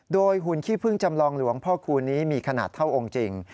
โดยหุ่นขี้พึ่งจำลองหลวงพ่อคูณนี้มีขนาดเท่าองค์จริง